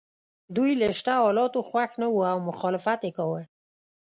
دوی له شته حالاتو خوښ نه وو او مخالفت یې کاوه.